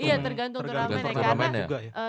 iya tergantung drama mereka